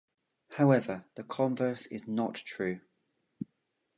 However the converse is not true.